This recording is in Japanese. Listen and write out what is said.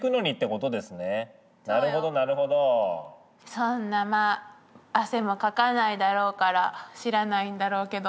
そんなまあ汗もかかないだろうから知らないんだろうけど。